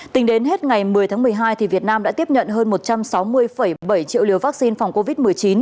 tính đến hết ngày một mươi tháng một mươi hai việt nam đã tiếp nhận hơn một trăm sáu mươi bảy triệu liều vaccine phòng covid một mươi chín